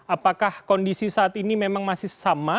apakah kondisi saat ini memang masih sama